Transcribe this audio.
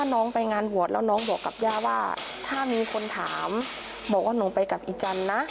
น้องไปงานบวชแล้วน้องบอกกับย่าว่าถ้ามีคนถามบอกว่าหนูไปกับอีจันทร์นะ